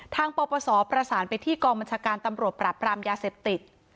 ปปศประสานไปที่กองบัญชาการตำรวจปราบรามยาเสพติด